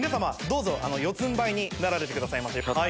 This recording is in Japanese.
どうぞよつんばいになられてください。